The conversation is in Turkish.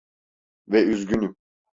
Ve üzgünüm.